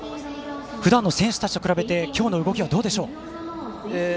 ふだんの選手たちと比べて今日の動きはどうでしょう。